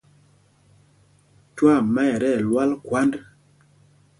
Twaama ɛ tí ɛlwal khwǎnd.